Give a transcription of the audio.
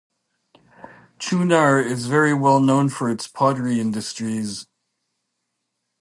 Chunar is very well known for its pottery industries.